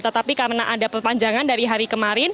tetapi karena ada perpanjangan dari hari kemarin